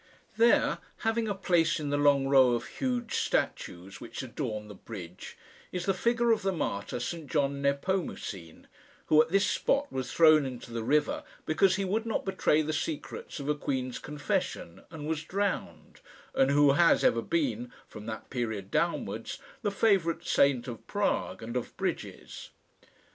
There, having a place in the long row of huge statues which adorn the bridge, is the figure of the martyr St John Nepomucene, who at this spot was thrown into the river because he would not betray the secrets of a queen's confession, and was drowned, and who has ever been, from that period downwards, the favourite saint of Prague and of bridges.